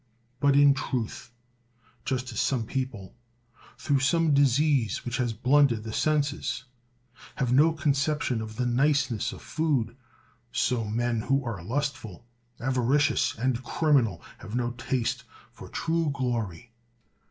But in truth, just as some people, through some disease which has blunted lie senses, have no conception of the niceness of food, so men who are lustful, avari cious, and criminal, have no taste for true glory.